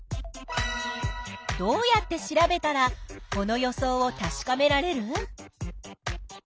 どうやって調べたらこの予想をたしかめられる？